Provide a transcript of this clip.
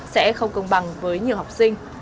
sẽ không công bằng với nhiều học sinh